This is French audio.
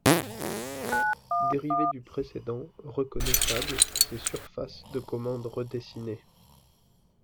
Dérivé du précédent, reconnaissable à ses surfaces de commande redessinées.